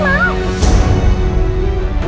nah kamu gak mau